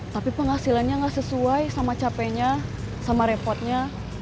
tapi penghasilannya nggak sesuai sama capeknya sama repotnya